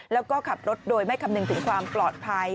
แล้วก็ขับรถโดยไม่คำนึงถึงความปลอดภัย